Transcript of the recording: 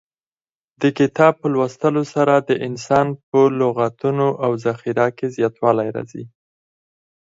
د کتاب په لوستلو سره د انسان په لغتونو او ذخیره کې زیاتوالی راځي.